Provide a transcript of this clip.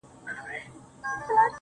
هغه لمرینه نجلۍ تور ته ست کوي